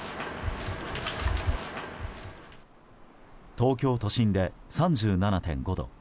東京都心で３７．５度